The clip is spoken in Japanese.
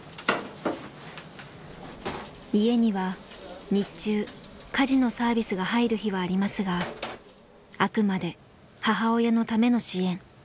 家には日中家事のサービスが入る日はありますがあくまで母親のための支援。